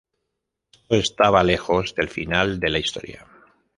Esto estaba lejos del final de la historia.